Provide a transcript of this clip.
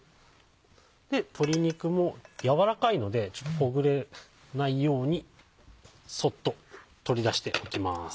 鶏肉も軟らかいのでちょっとほぐれないようにそっと取り出しておきます。